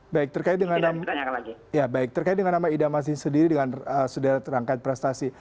baik terkait dengan nama ida masih sendiri dengan saudara terangkat prestasi